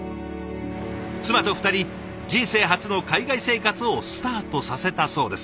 妻と２人人生初の海外生活をスタートさせたそうです。